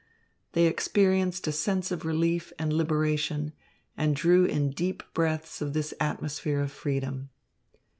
They experienced a sense of relief and liberation, and drew in deep breaths of this atmosphere of freedom.